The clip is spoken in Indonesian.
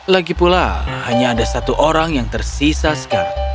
lagipula hanya ada satu orang yang tersisa sekarang